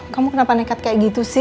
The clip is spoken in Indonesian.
kamu kenapa nekat kayak gitu sih